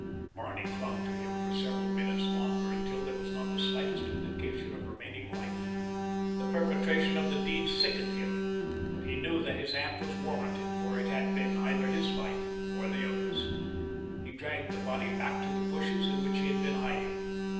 Barney clung to him for several minutes longer, until there was not the slightest indication of remaining life. The perpetration of the deed sickened him; but he knew that his act was warranted, for it had been either his life or the other's. He dragged the body back to the bushes in which he had been hiding.